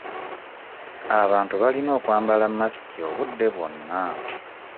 Abantu balina okwambala masiki obudde bwonna.